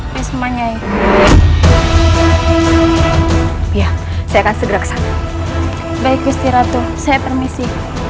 pismanya ya saya akan segera kesana baik gusti ratu saya permisi